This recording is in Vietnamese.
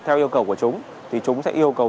theo yêu cầu của chúng thì chúng sẽ yêu cầu